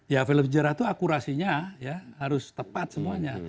ya film sejarah itu akurasinya ya harus tepat semuanya